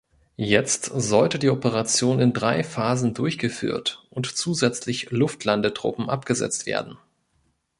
Jetzt sollte die Operation in drei Phasen durchgeführt und zusätzlich Luftlandetruppen abgesetzt werden.